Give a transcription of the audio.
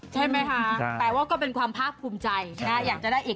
ใช่ไหมฮะแปลว่าก็เป็นความภาครบุมใจนะ